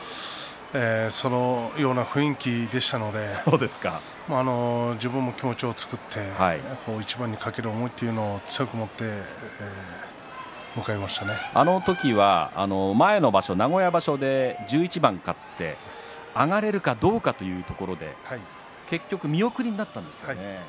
そのような雰囲気でしたので自分も気持ちを作って一番に懸ける思いというのをその時は前の場所名古屋場所で１１番勝って上がれるかどうかというところで結局、見送りになったんですね。